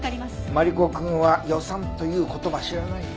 マリコくんは予算という言葉知らないの？